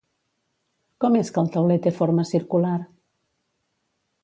Com és que el tauler té forma circular?